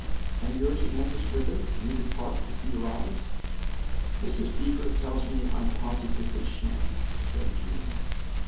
" And yours ends with it you depart as he arrives ?"" Mrs. Beever tells me I positively shan't," said Jean.